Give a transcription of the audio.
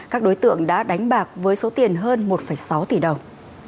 các đối tượng đã đánh bạc với số tiền hơn một sáu tỷ đồng